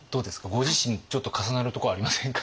ご自身ちょっと重なるとこありませんか？